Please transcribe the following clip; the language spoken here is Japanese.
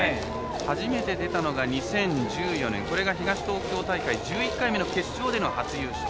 初めて出たのが２０１４年これが東東京大会１１回目の決勝での初優勝。